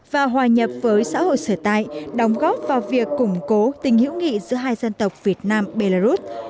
và hòa nhập với xã hội sở tại đóng góp vào việc củng cố tình hữu nghị giữa hai dân tộc việt nam belarus